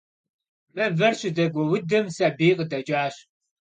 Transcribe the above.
Mıver şızeguiudım sabiy khıdeç'aş.